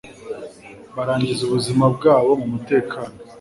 barangiza ubuzima bwabo mu mutekano